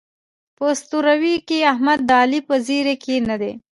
په ستروۍ کې احمد د علي په زېري کې نه دی.